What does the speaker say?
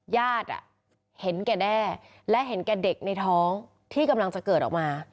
ญาติเห็นแก่แด้และเห็นแก่เด็กในท้องที่กำลังจะเกิดออกมา